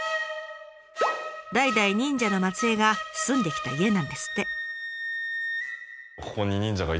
代々忍者の末えいが住んできた家なんですって。